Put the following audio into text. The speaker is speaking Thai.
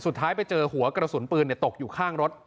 ไปเจอหัวกระสุนปืนตกอยู่ข้างรถ